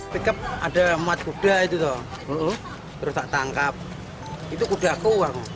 di keb ada emat kuda itu terus tak tangkap itu kuda ku